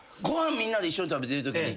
みんなで一緒に食べてるときに。